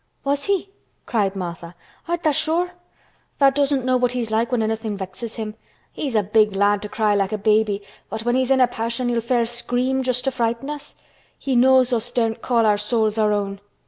"Was he?" cried Martha. "Art tha' sure? Tha' doesn't know what he's like when anything vexes him. He's a big lad to cry like a baby, but when he's in a passion he'll fair scream just to frighten us. He knows us daren't call our souls our own."